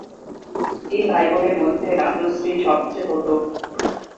তিন ভাইবোনের মধ্যে রাজশ্রী সবচেয়ে ছোট।